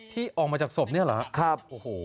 ที่ออกมาจากศพนี่หรอครับ